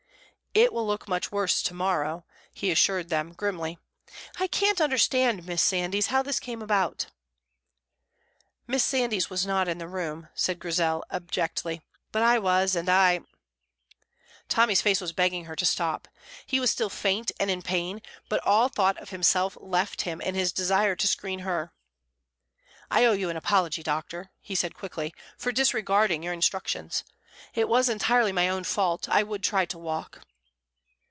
"It will look much worse to morrow," he assured them, grimly. "I can't understand, Miss Sandys, how this came about." "Miss Sandys was not in the room," said Grizel, abjectly, "but I was, and I " Tommy's face was begging her to stop. He was still faint and in pain, but all thought of himself left him in his desire to screen her. "I owe you an apology, doctor," he said quickly, "for disregarding your instructions. It was entirely my own fault; I would try to walk."